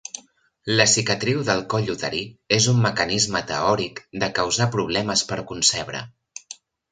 La cicatriu del coll uterí és un mecanisme teòric de causar problemes per concebre.